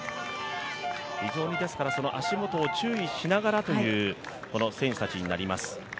非常に足元を注意しながらという選手たちになります。